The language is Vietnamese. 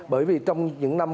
bởi vì trong những năm